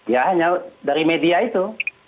ya hanya dari media itu